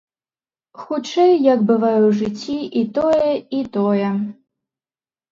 Хутчэй, як бывае ў жыцці, і тое, і тое.